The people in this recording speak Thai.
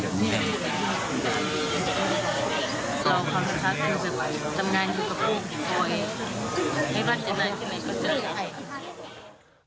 ขอขอบคุณครับจำงานอยู่กับพวกพี่พ่อเองให้รักจนหน้าที่ไหนก็เจอครับ